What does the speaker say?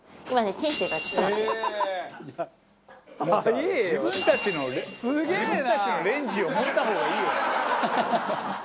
「自分たちの自分たちのレンジを持った方がいいよね」